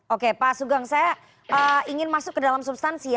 oke pak sugeng saya ingin masuk ke dalam substansi ya